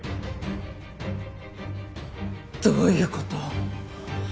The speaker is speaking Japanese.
どういうこと？